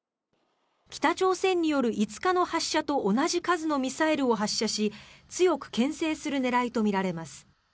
北朝鮮による５日の発射と同じ数のミサイルを発射し強くけん制する狙いとみられます。